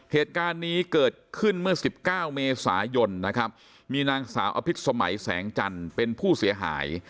เหตุการณ์นี้เกิดขึ้นเมื่อ๑๙เมษายนนะครับมีนางสาวอภิษสมัยแสงจันทร์เป็นผู้เสียหาย